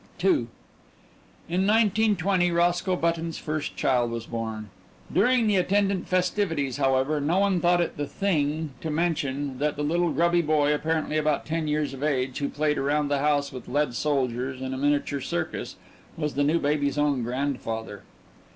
XI In 1920 Roscoe Button's first child was born. During the attendant festivities, however, no one thought it "the thing" to mention, that the little grubby boy, apparently about ten years of age who played around the house with lead soldiers and a miniature circus, was the new baby's own grandfather.